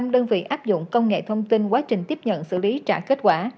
một mươi đơn vị áp dụng công nghệ thông tin quá trình tiếp nhận xử lý trả kết quả